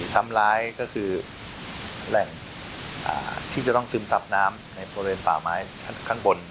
ทำร้ายก็คือแหล่งที่จะต้องซึมซับน้ำในบริเวณป่าไม้ข้างบน